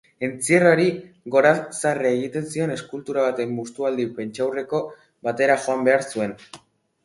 Entzierroari gorazarre egiten zion eskultura baten mustualdi-prentsaurreko batera joan behar zuen.